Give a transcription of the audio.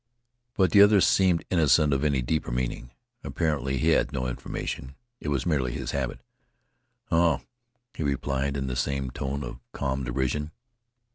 But the other seemed innocent of any deeper meaning. Apparently, he had no information. It was merely his habit. "Oh!" he replied in the same tone of calm derision.